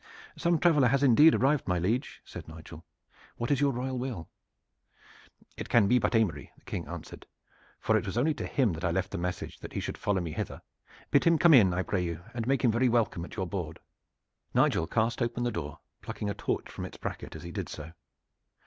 "Some traveler has indeed arrived, my liege," said Nigel. "What is your royal will?" "It can be but Aymery," the King answered, "for it was only to him that I left the message that he should follow me hither. Bid him come in, I pray you, and make him very welcome at your board." Nigel cast open the door, plucking a torch from its bracket as he did so.